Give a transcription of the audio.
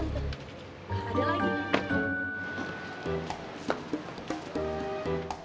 nggak ada lagi nih